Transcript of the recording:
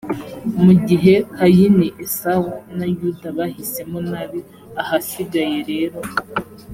mu gihe kayini esawu na yuda bahisemo nabi ahasigaye rero